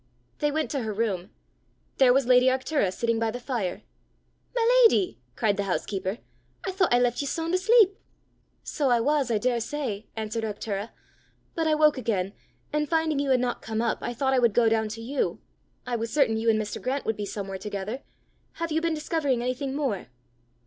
They went to her room: there was lady Arctura sitting by the fire! "My leddy!" cried the housekeeper. "I thoucht I left ye soon' asleep!" "So I was, I daresay," answered Arctura; "but I woke again, and finding you had not come up, I thought I would go down to you. I was certain you and Mr. Grant would be somewhere together! Have you been discovering anything more?"